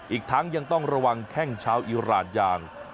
อีกทั้งยังต้องระวังแข้งชาวอิราณอย่าง